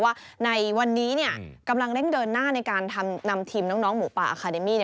ว่าในวันนี้กำลังเร่งเดินหน้าในการนำทีมน้องหมูป่าอาคาเดมี่